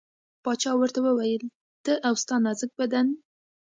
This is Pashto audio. باچا ورته وویل ته او ستا نازک بدن.